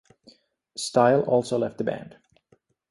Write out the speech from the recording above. Style also left the band.